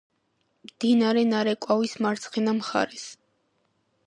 მდინარე ნარეკვავის მარცხენა მხარეს.